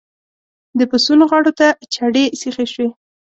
د پسونو غاړو ته چړې سيخې شوې.